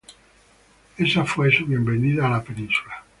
Esa fue su bienvenida a la península.